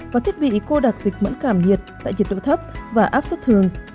và thiết bị cô đặc dịch mẫn cảm nhiệt tại nhiệt độ thấp và áp suất thường